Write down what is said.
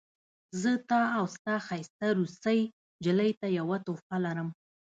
زه تا او ستا ښایسته روسۍ نجلۍ ته یوه تحفه لرم